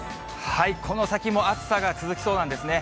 この先も暑さが続きそうなんですね。